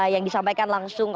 yang disampaikan langsung